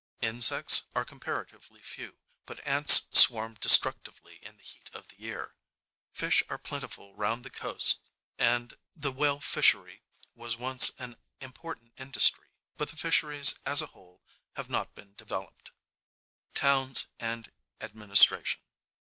Insects are comparatively few, but ants swarm destructively in the heat of the year. Fish are plentiful round the coasts, and the whale fishery was once an important industry, but the fisheries as a whole have not been developed. Towns, and Administration.